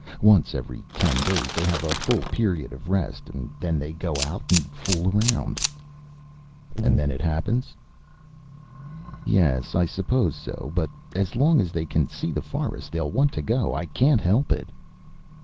Once every ten days they have a full period of rest. Then they go out and fool around." "And then it happens?" "Yes, I suppose so. But as long as they can see the forest they'll want to go. I can't help it."